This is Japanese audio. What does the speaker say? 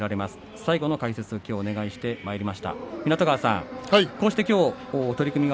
最後の解説をお願いしてまいりました。